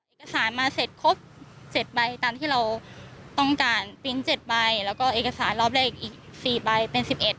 เอกสารมาเสร็จครบ๗ใบตามที่เราต้องการปิ๊ง๗ใบแล้วก็เอกสารรอบแรกอีก๔ใบเป็น๑๑